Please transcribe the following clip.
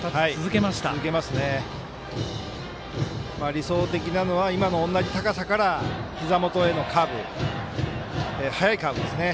理想的なのは今の同じ高さからひざ元へのカーブ速いカーブですね。